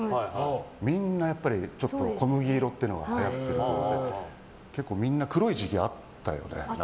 みんなやっぱり小麦色っていうのがはやってるころでみんな黒い時期、あったよね。